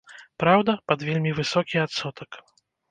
Праўда, пад вельмі высокі адсотак.